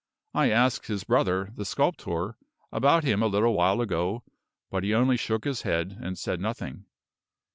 I asked his brother, the sculptor, about him a little while ago, but he only shook his head, and said nothing."